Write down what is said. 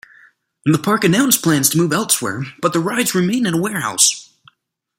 The park announced plans to move elsewhere, but the rides remained in a warehouse.